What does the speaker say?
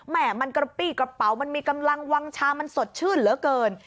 แม่มันกระปี้กระเป๋ามันมีกำลังวางชามันสดชื่นเหลือเกิน